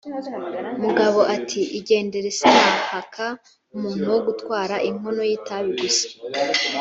mugabo ati:”igendere sinahaka umuntu wo gutwara inkono y’ itabi gusa